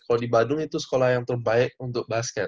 kalau di badung itu sekolah yang terbaik untuk basket